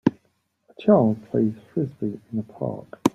A child plays Frisbee in a park.